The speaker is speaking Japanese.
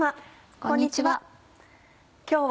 こんにちは。